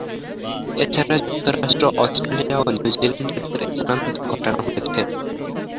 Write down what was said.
এছাড়া যুক্তরাষ্ট্র, অস্ট্রেলিয়া ও নিউজিল্যান্ডে এদের স্থানান্তর ঘটানো হয়েছে।